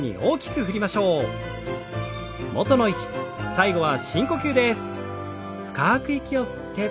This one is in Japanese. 最後は深呼吸です。